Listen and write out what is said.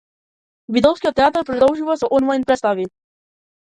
Битолскиот театар продолжува со онлајн претстави